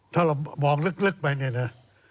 ถ้าเรามองลึกไปเนี่ยนะ